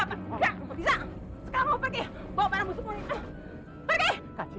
gap gap rumput bisa